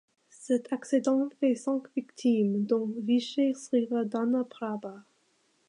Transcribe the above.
Cet accident fait cinq victimes, dont Vichai Srivaddhanaprabha.